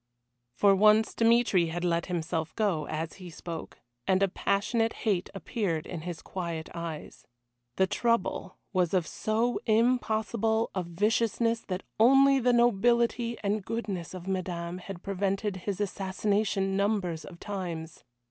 For once Dmitry had let himself go, as he spoke, and a passionate hate appeared in his quiet eyes. The "Trouble" was of so impossible a viciousness that only the nobility and goodness of Madame had prevented his assassination numbers of times.